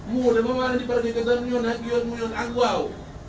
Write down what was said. muda mwawani di barbikatan muna ngagiot mwun angguau